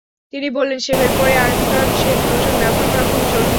তিনি বললেন, শেভের পরে আফটার শেভ লোশন ব্যবহার করা খুবই জরুরি।